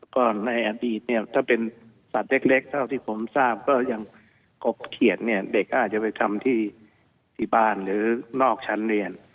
ก็ในอดีตเนี่ยถ้าเป็นสัตว์เล็กเท่าที่ผมทราบก็ยังกบเขียดเนี่ยเด็กก็อาจจะไปทำที่บ้านหรือนอกชั้นเรียน